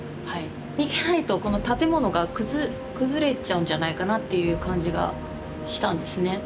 逃げないとこの建物が崩れちゃうんじゃないかなっていう感じがしたんですね。